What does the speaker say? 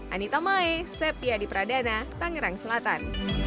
anita moe septya di pradana tangerang selatan